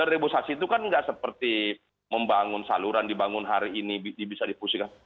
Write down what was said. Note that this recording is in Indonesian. reboisasi itu kan tidak seperti membangun saluran dibangun hari ini bisa dipusihkan